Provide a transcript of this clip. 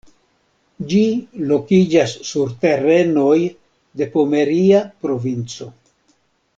Ĝi lokiĝas sur terenoj de Pomeria Provinco.